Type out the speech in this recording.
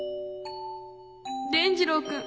伝じろうくん